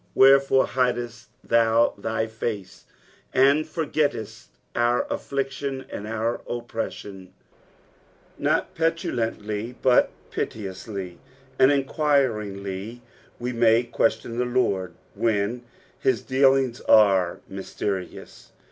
"Whereon hidett tkmi thy faee, and forgtttat our nffiietiim and our appranoa f" Not petulantly, but piteousty and enquiringly, we may question the Lord when b'u dealings are mysterious.